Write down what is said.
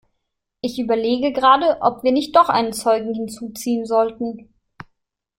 Ich überlege gerade, ob wir nicht doch einen Zeugen hinzuziehen sollten.